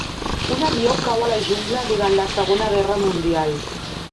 Un avió cau a la jungla durant la Segona Guerra mundial.